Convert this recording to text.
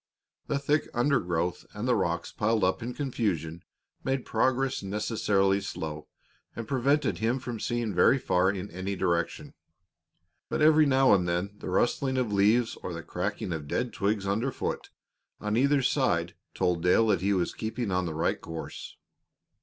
The thick undergrowth and the rocks piled up in confusion made progress necessarily slow and prevented him from seeing very far in any direction. But every now and then the rustling of bushes or the cracking of dead twigs under foot on either side told Dale that he was keeping on the right course.